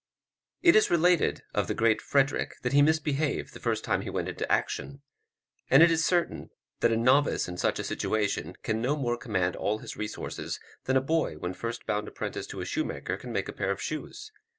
It is related of the Great Frederick that he misbehaved the first time he went into action; and it is certain that a novice in such a situation can no more command all his resources than a boy when first bound apprentice to a shoemaker can make a pair of shoes.